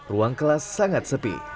ruang kelas sangat sepi